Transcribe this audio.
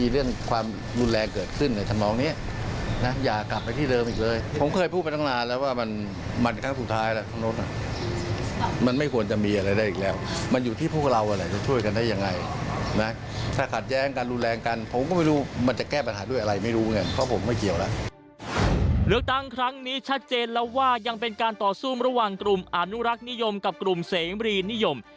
เลือกตั้งดังครั้งนี้ชัดเจนแล้วว่ายังเป็นการต่อสู้ระหว่างกลุ่มอนุรักษ์นิยมกับกลุ่มเสมรีนิยม